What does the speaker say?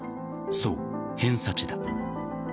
そう、偏差値だ。